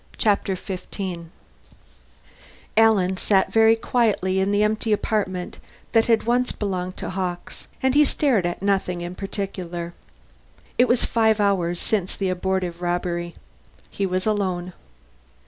Chapter Fifteen Alan sat very quietly in the empty apartment that had once belonged to Max Hawkes, and stared at nothing in particular. It was five hours since the abortive robbery. He was alone.